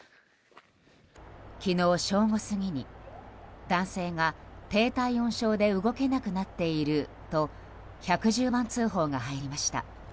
昨日正午過ぎに男性が低体温症で動けなくなっていると１１０番通報が入りました。